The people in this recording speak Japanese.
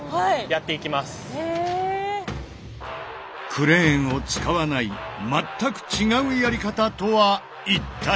クレーンを使わない全く違うやり方とは一体？